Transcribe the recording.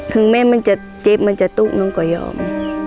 ถึงแม่มันจะเจ็บมันจะตุ๊กหนูก็ยอม